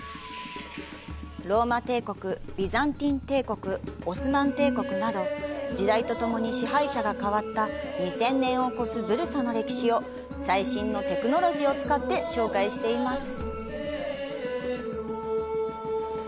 ローマ帝国、ビザンティン帝国、オスマン帝国など時代とともに支配者が変わった２０００年を超すブルサの歴史を最新のテクノロジーを使って紹介しています。